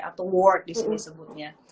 atau ward disini disebutnya